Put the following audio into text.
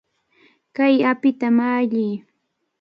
¡Kay apita malliy!